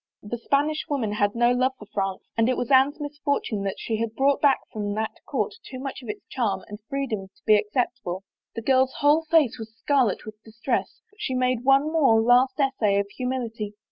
The Spanish woman had no love for France and it was Anne's misfortune that she had brought back from that court too much of its charm and freedom to be ac ceptable. The girl's whole face was scarlet with distress, but she made one more last essay of humility.